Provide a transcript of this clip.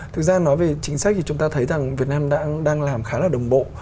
thực ra nói về chính sách thì chúng ta thấy rằng việt nam đang làm khá là đồng bộ